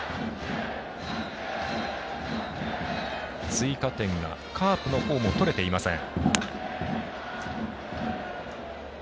追加点がカープの方も取れていません。